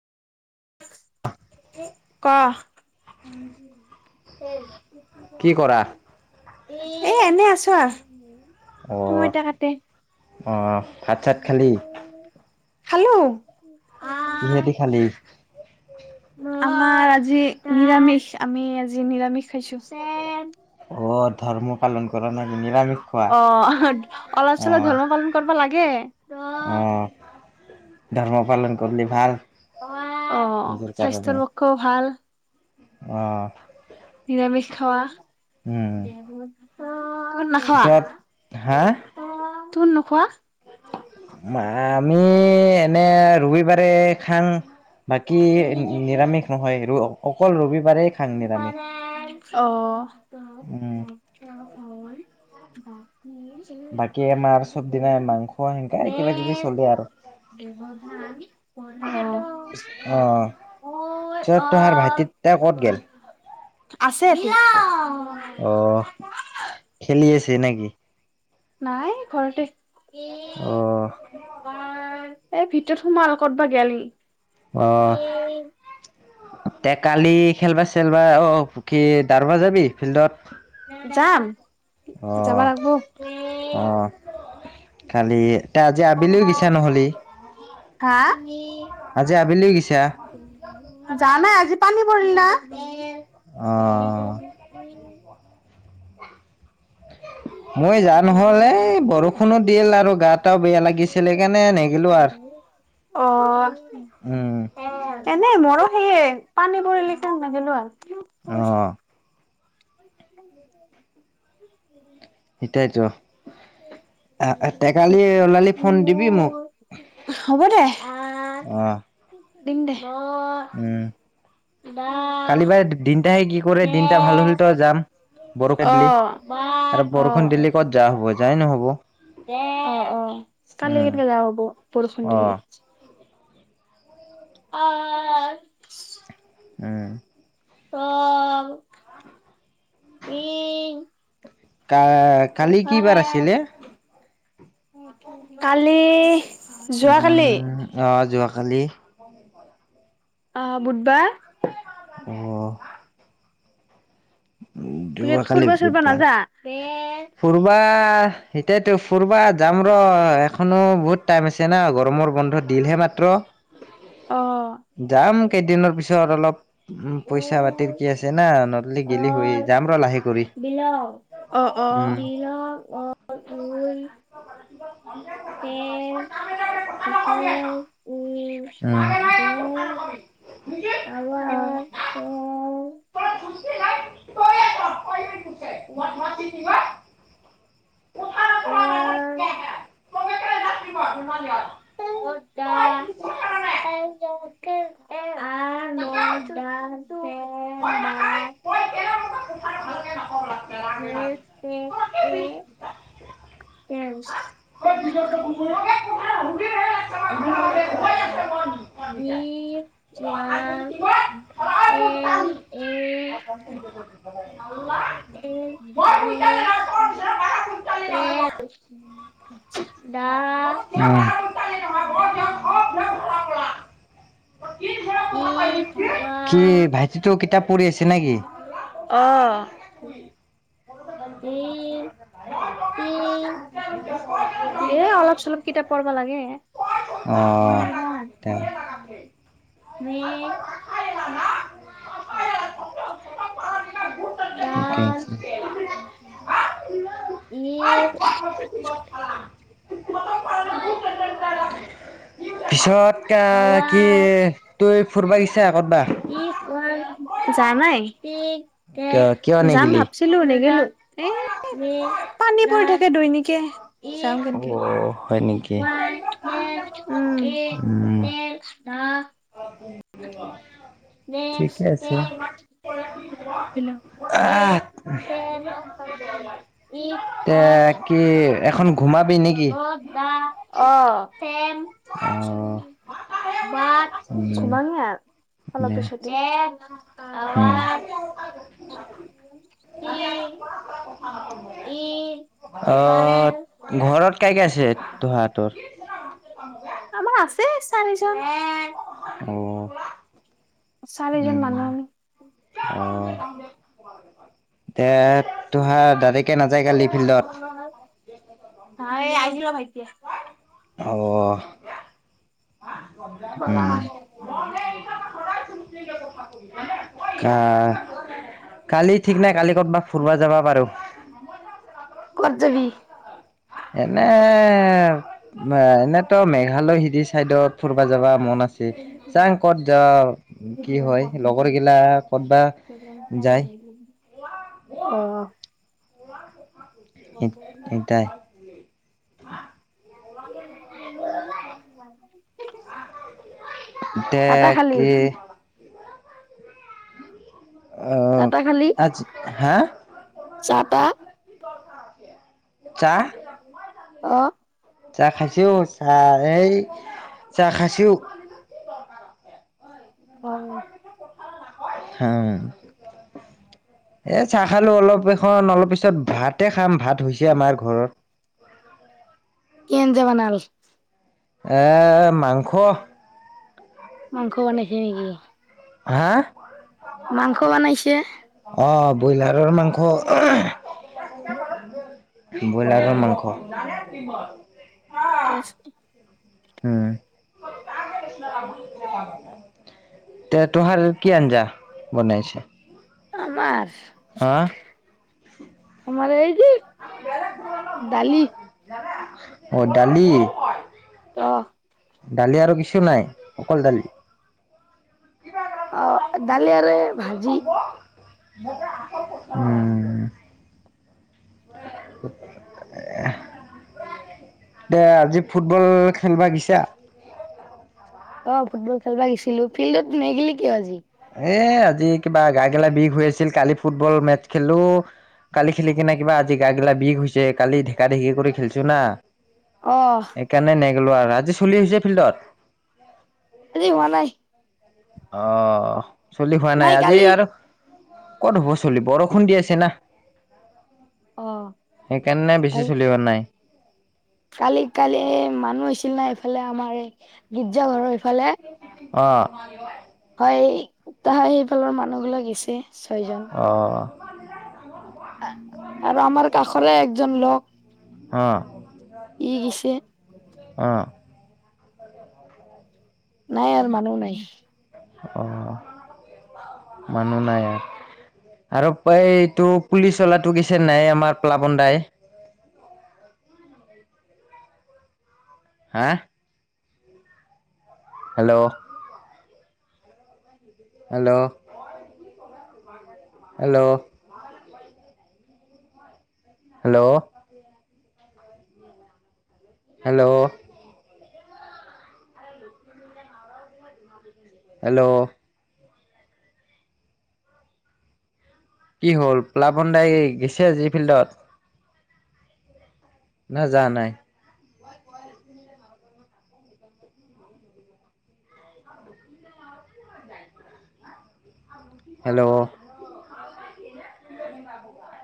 ক কি কৰা? এ, এনেই আছ আও অঁহ, অঁহ ভাত সাত চাত খালী? খালো। কিহেদি খালি? [unintelligible] আমাৰ আজি নিৰামিষ, আমি আজি নিৰামিষ খাইছো। [unintelligible] অ, ধৰ্ম পালন কৰা না নেলাগে। অঁ, অলপ চলপ ধৰ্ম পালন কৰিব লাগে। অ', ধৰ্ম পালন কৰিলে ভাল। অঁ নিজৰ স্বাস্থ্যৰ পক্ষেও ভাল। অঁ নিৰামিষ খাৱা উম, তহত নাখাৱা? পিছত তোৰ নোখোৱা? মা আমি এনে ৰবিবাৰে খাঙ। বাকী নিৰামিষ নহয় ৰ অকল ৰবিবাৰে। অ উম, হয় বাকী। বাকী আমাৰ চব দিনাই মাংস হেঙকাই কিবা কিবি চলে আৰু অ পিচত তুহাৰ ভাইটিতা ক'ত গে'ল, আছে অ খেলি আছে নেকি। নাই ঘৰতে এ অ ভ এতিয়া সোমাল ক'তব গেল। অ এ কালি খেলিবা চেলিবা অ পখি দাৰব যাবি ফিল্ডত, যাম অ যাব লাগিব। খালি এতিয়া আজি আবেলিও গৈছা নহ'লে হা আজি আবিলিও গৈছা। যা নাই আজি পানী পৰিল না। অ মই যোৱা নহ'ল এই বৰষুণো দিল আৰু গা টাও বেয়া লাগিছিল সেইকাৰণে নোগেলো আৰু উম অ এনে মোৰো সেয়ে পানী পৰিল সেই কাৰণে নগলো আৰু অঁ [unintelligible] সেইটাইতো, তে কি কালি ওলালি ফোন দিবি মোক মোৰ, হ'ব দে অ দিম দে অ, উম, বা, দিনটাই কি কৰে দিনটা ভাল হ'লে তো যাম বৰষুণ অ দিলে আৰু অ বৰষুণ দিলে কত যোৱা হ'ব যোৱাই নহ'ব। অ অ কালি উম কেনেকে যাৱা হ'ব বৰষুণ অ দিলে। অ উম, অ ই কা কালি কি বাৰ আছিলে কালি যোৱাকালি। অঁ যোৱাকালি। [unintelligible] অ বুধবাৰ, অ উ যোৱা কালি ফুৰবা চুৰবা বুধবাৰ। নাযা ফুৰবা এতিয়াতো ফুৰবা যাম ৰ এখনো বহুত টাইম আছে। না গৰমৰ বন্ধ দিলহে মাত্ৰ অ যাম, কেইদিনৰ পিছত অলপ উ পইচা পাতিৰ কি আছে না ন দিলে হয়ই যাম ৰ লাহে কৰি অ উম, অ উই [unintelligible] [unintelligible] [unintelligible] উম অ', উম [unintelligible] উম [unintelligible] [unintelligible] [unintelligible] [unintelligible] [unintelligible] [unintelligible] এ কে এমচ্ [unintelligible] ই ওৱান এক এক [unintelligible] [unintelligible] এ দা [unintelligible] ই কি ভাইটিটো কিতাপ পঢ়ি আছে নে কি অ এ অলপ চলপ কিতাপ পঢ় লাগে অ', তেওঁ [unintelligible] [unintelligible] অ দা ঠিকেই আছে। ই [unintelligible] পিছত কা কি তুই ফুুৰবা গিছা কতবা ই কোৱা যা নাই ই এ কিয় কিয় যাম নেগিলি? ভাবছো [unintelligible] ছিলো নেগেলো এ পানী পৰি থাকে দৈনিকে যাও কেনেকে অ' হয় নেকি? উম উম, দা [unintelligible] নেক্স ঠিকে তে আছে। [unintelligible] এ যে ই তে আৰ কি এখন [unintelligible] ঘুমাবি নেকি? বামত দা [unintelligible] অ চেম অ' বাট উম, [unintelligible] অলপ দে পিছতে উম অ ঘৰত কাইকে আছে তহাতৰ আমাৰ আছে চাৰিজন অ চাৰিজন উম মানুহ আমি অ এতিয়া তোহাৰ দাদেকে নাযায় কালি ফিল্ডত নাই আহিল ৰ ভাটিয়ে অ উম [unintelligible] [unintelligible] আহ কালি ঠিক নাই কালি কৰ'বা ফুৰিব যাবা পাৰোঁ। ক'ত যাবি? এনে এনেতো মেঘালয় হিৰি চাইডত। ফুৰবা যাবা মন আছি চাং ক'ত যা কি হয় লগৰগিলা ক'তবা যায় [unintelligible] অ। হেত এটাই। [unintelligible] ডে চাহ তাহ খালি? কি অ চাহ আজ, হা? চোৱা তা চা। অ। চা খাছিও চা এই চা খাছিও [unintelligible] হাম। এ চাহ খালো অলপ এখন অলপ পিছত ভাতে খাম ভাত হৈছে আমাৰ ঘৰত। কেন যাবা নাল এ মাংস মাংস বনাইছে নেকি? হা? মাংস বনাইছে? অ ব্ৰইলাৰৰ মাংস। অ ব্ৰইলাৰৰ মাংস এছ উম। [unintelligible] তে তোহাৰ কি আঞ্জা বনাইছে? আমাৰ হা আমাৰ এই যে দালি। যাবা, অ দালি। অ। দালি আৰু কিছু নাই অকল দাল? অ দালি আৰে ভাজি। [unintelligible] উম। [unintelligible] [unintelligible] দে আজি ফুটবল খেলিবা গিছা? অ ফুটবল খেলিব গিছিলো। ফিল্ডত নেগিলি কিয় আজি? এ আজি কিবা গা গেলা বিষ হৈ আছিল কালি ফুটবল মেট খেলো। কালি খেলি কিনে কিবা আজি গা গিলা বিষ হৈছে কালি ঢেকা ঢেকী কৰি খেলছো না। অ। সেইকাৰণে নেগ'লোঁ আৰ। আজি চলি হৈছে ফিল্ডত? আজি হোৱা নাই। অ চলি হোৱা নাই আজি আৰু ক'ত হ'ব চলি বৰষুণ দি আছে না। অ সেইকাৰণে কালি বেছি চলিব নাই। কালি কালি এই মানুহ আহছিল না এইফালে আমাৰ এই গীৰ্জা ঘৰৰ ইফালে অৱ। হয় সেইফালৰ মানুহ বিলাক গৈছে ছয় জন। অ। আৰু আমাৰ কাষৰে একজন লোক অৱ, গেছে অৱ। নাই আৰু মানুহ নাই। অহ মানুহ নাই আৰ। আৰু এইটো পুলিচ অলাটো গিছে নাই আমাৰ প্লাবন দাই। হা hello hello, hello hello hello hello কি হ'ল প্লাবন দাই গিছে আজি ফিল্ডত? না যোৱা নাই? হেল্ল'